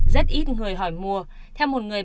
rất ít người hỏi mua theo một người